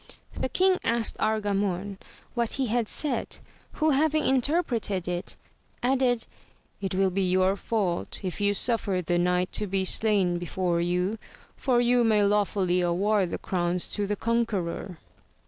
The king asked Argamon what he had said, who having interpreted it, added, it will be your fault if you suffer the knight to be slain before you, for you may lawfully award the crowns to the conqueror.